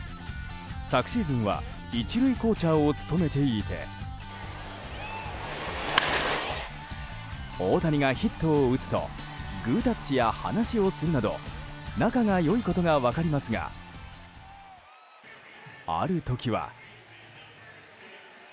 昨シーズンは１塁コーチャーを務めていて大谷がヒットを打つとグータッチや話をするなど仲が良いことが分かりますがある時は。